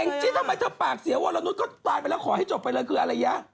จริงทำไมเธอปากเสียวรนุษย์ก็ตายไปแล้วขอให้จบไปเลยคืออะไรยะ